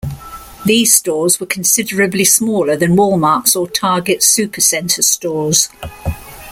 These stores were considerably smaller than Walmart's or Target's supercenter stores.